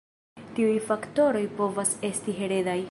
Tiuj faktoroj povas esti heredaj.